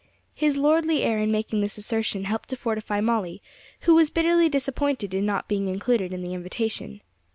His lordly air in making this assertion helped to fortify Molly, who was bitterly disappointed in not being included in the invitation.